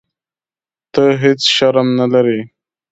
ته هیح شرم نه لرې.